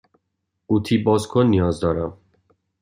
قوطی باز کن نیاز دارم.